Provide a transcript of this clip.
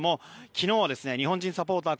昨日は日本人サポーター